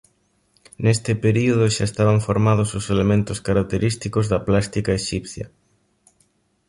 Neste período xa estaban formados os elementos característicos da plástica exipcia.